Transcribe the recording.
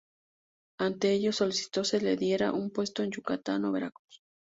Ante ello, solicitó se le diera un puesto en Yucatán o en Veracruz.